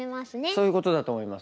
そういうことだと思いますね。